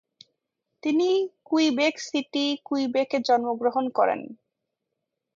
তিনি Quebec City, কুইবেকে জন্মগ্রহণ করেন।